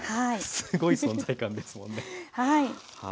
すごい存在感ですもんね。